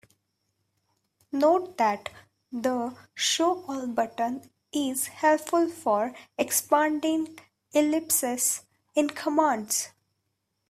Note that the "Show all" button is helpful for expanding ellipses in commands.